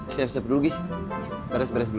siap siap dulu gi beres beres dulu